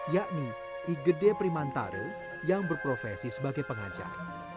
yakni igede primantaru yang berprofesi sebagai pengajar